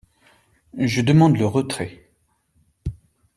Je demande le retrait.